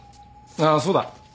あっそうだ。